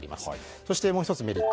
そして、もう１つメリット。